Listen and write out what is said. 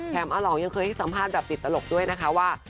อาหลองยังเคยให้สัมภาษณ์แบบติดตลกด้วยนะคะว่า